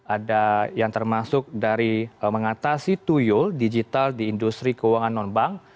ada yang termasuk dari mengatasi toyo digital di industri keuangan non bank